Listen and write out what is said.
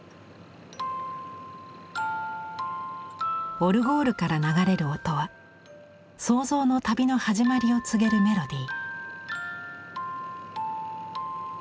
オルゴールから流れる音は想像の旅の始まりを告げるメロディー。